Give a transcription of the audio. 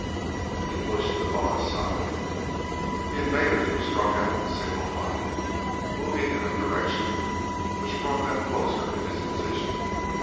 He pushed the thought aside. The invaders were strung out in single file, moving in a direction which brought them closer to his position.